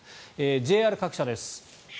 ＪＲ各社です。